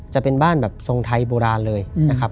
จะเป็นบ้านแบบทรงไทยโบราณเลยนะครับ